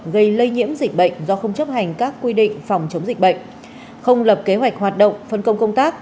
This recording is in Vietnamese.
gây lây nhiễm dịch bệnh do không chấp hành các quy định phòng chống dịch bệnh không lập kế hoạch hoạt động phân công công tác